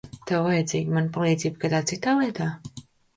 Tev vajadzīga mana palīdzība kādā citā lietā?